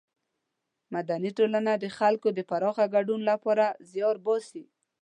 مدني ټولنه د خلکو د پراخه ګډون له پاره زیار باسي.